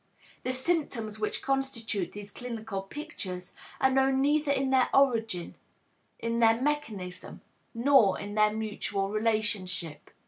The symptoms which constitute these clinical pictures are known neither in their origin, in their mechanism, nor in their mutual relationship.